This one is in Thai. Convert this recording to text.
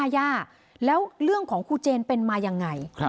ย่าแล้วเรื่องของครูเจนเป็นมายังไง